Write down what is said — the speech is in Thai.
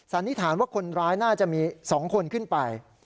สันนิษฐานว่าคนร้ายน่าจะมี๒คนขึ้นไป